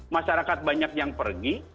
masyarakat banyak yang pergi